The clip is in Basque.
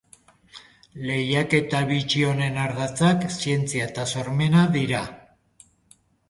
Lehiaketa bitxi honen ardatzak zientzia eta sormena dira.